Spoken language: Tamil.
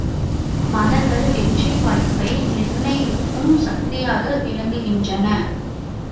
மதங்கள் வெற்றி வாய்ப்பை நிர்ணயிக்கும் சக்தியாக விளங்குகின்றன.